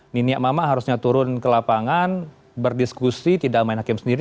niniak mama harusnya turun ke lapangan berdiskusi tidak main hakim sendiri